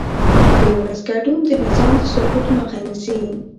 د ولس ګډون د نظام د سقوط مخه نیسي